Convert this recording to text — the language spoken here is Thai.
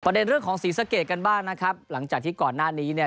เด็นเรื่องของศรีสะเกดกันบ้างนะครับหลังจากที่ก่อนหน้านี้เนี่ย